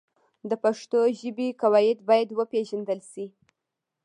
د پښتو ژبې قواعد باید وپېژندل سي.